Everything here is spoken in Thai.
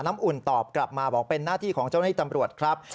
อุ่นตอบกลับมาบอกเป็นหน้าที่ของเจ้าหน้าที่ตำรวจครับ